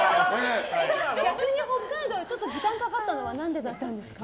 逆に北海道は時間がかかったのは何でだったんですか？